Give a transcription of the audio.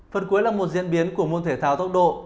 phần cuối là một diễn biến của môn thể thao tốc độ